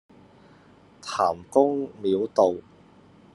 譚公廟道